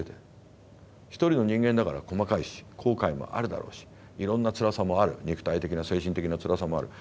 一人の人間だから細かいし後悔もあるだろうしいろんなつらさもある肉体的な精神的なつらさもある。